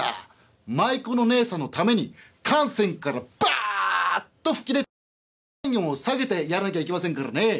舞妓のねえさんのために汗腺からバッと噴き出て体温を下げてやらなきゃいけませんからね」。